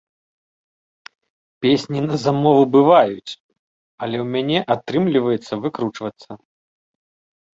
Песні на замову бываюць, але ў мяне атрымліваецца выкручвацца.